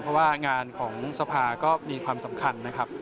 เพราะว่างานของสภาก็มีความสำคัญนะครับ